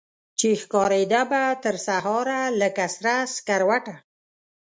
چي ښکاریده به ترسهاره لکه سره سکروټه